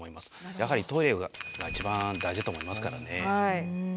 やはりトイレが一番大事だと思いますからね。